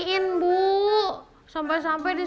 untuk tahu lu tips yang penting